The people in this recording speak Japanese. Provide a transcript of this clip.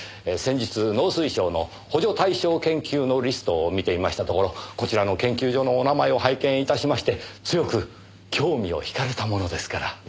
先日農水省の補助対象研究のリストを見ていましたところこちらの研究所のお名前を拝見致しまして強く興味を引かれたものですから。